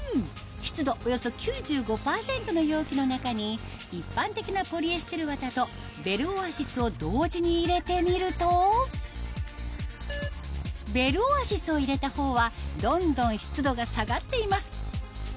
湿度およそ９５％の容器の中に一般的なポリエステルわたとベルオアシスを同時に入れてみるとベルオアシスを入れた方はどんどん湿度が下がっています